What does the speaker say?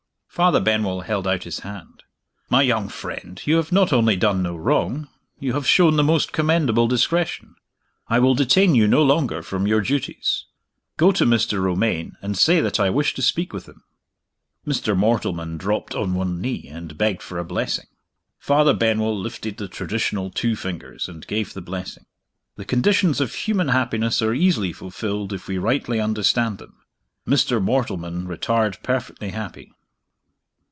Father Benwell held out his hand. "My young friend, you have not only done no wrong you have shown the most commendable discretion. I will detain you no longer from your duties. Go to Mr. Romayne, and say that I wish to speak with him." Mr. Mortleman dropped on one knee, and begged for a blessing. Father Benwell lifted the traditional two fingers, and gave the blessing. The conditions of human happiness are easily fulfilled if we rightly understand them. Mr. Mortleman retired perfectly happy.